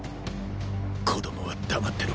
子どもは黙ってろ。